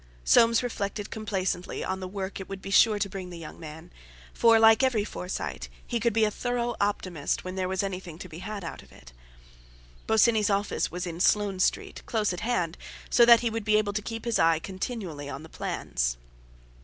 Soames reflected complacently on the work it would be sure to bring the young man; for, like every Forsyte, he could be a thorough optimist when there was anything to be had out of it. Bosinney's office was in Sloane Street, close at, hand, so that he would be able to keep his eye continually on the plans.